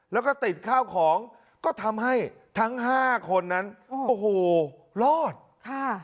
แล้วก็ติดข้าวของก็ทำให้ทั้งห้าคนนั้นโอ้โหรอดค่ะ